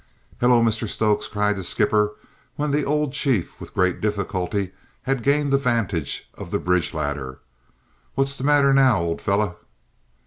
"Hullo, Mr Stokes," cried the skipper, when the old chief with great difficulty had gained the vantage of the bridge ladder. "What's the matter now, old fellow?"